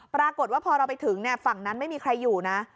ปรากฏว่าพอเราไปถึงฝั่งนั้นไม่มีใครอยู่นะ